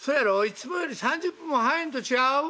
いつもより３０分も早いんと違う？